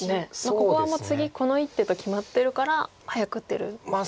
ここはもう次この一手と決まってるから早く打ってるんですかね。